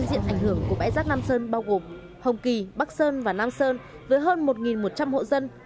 diện ảnh hưởng của bãi rác nam sơn bao gồm hồng kỳ bắc sơn và nam sơn với hơn một một trăm linh hộ dân